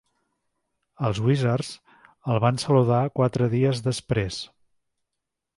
Els Wizards el van saludar quatre dies després.